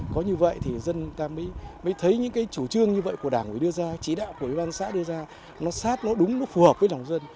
nói như vậy thì dân ta mới thấy những cái chủ trương như vậy của đảng mới đưa ra chỉ đạo của bàn xã đưa ra nó sát nó đúng nó phù hợp với đồng dân